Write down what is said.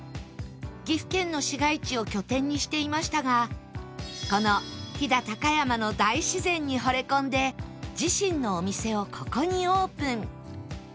岐阜県の市街地を拠点にしていましたがこの飛騨高山の大自然にほれ込んで自身のお店をここにオープン